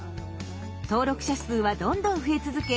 登録者数はどんどん増え続け